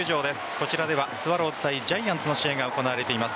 こちらではスワローズ対ジャイアンツの試合が行われています。